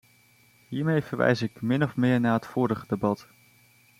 Hiermee verwijs ik min of meer naar het vorige debat.